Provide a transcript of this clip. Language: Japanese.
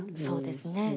そうですね。